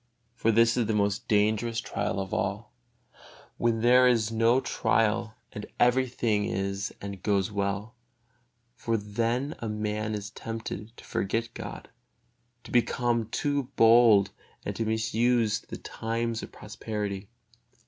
For this is the most dangerous trial of all, when there is no trial and every thing is and goes well; for then a man is tempted to forget God, to become too bold and to misuse the times of prosperity.